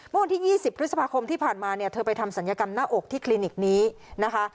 เมื่อวันที่๒๐พฤษภาคมที่ผ่านมาเนี่ยเธอไปทำศัลยกรรมหน้าอกที่คลินิกนี้นะคะ